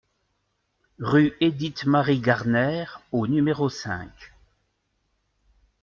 Rue Édith Mary Garner au numéro cinq